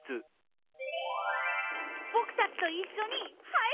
ぼくたちといっしょに入ろうよ。